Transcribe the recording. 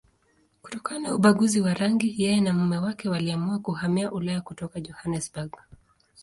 Kutokana na ubaguzi wa rangi, yeye na mume wake waliamua kuhamia Ulaya kutoka Johannesburg.